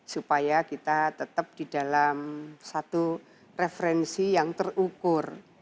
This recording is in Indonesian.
supaya kita tetap di dalam satu referensi yang terukur